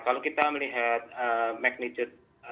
kalau kita melihat magnitude